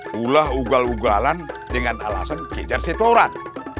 pula ugal ugalan dengan alasan kejar setoran